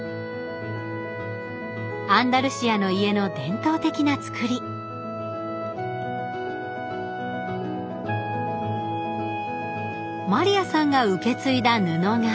アンダルシアの家の伝統的なつくりマリアさんが受け継いだ布が？